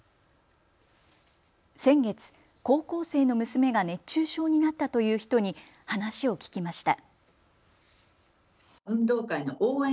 先月、高校生の娘が熱中症になったという人に話を聞きました。